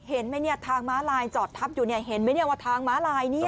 เห็นไหมเนี่ยทางม้าลายจอดทับอยู่เนี่ยเห็นไหมเนี่ยว่าทางม้าลายเนี่ย